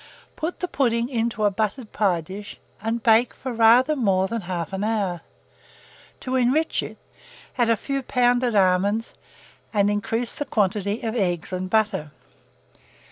Put the pudding into a buttered pie dish, and bake for rather more than 1/2 hour. To enrich it, add a few pounded almonds, and increase the quantity of eggs and butter.